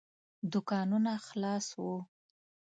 دوکانونه خلاص وو.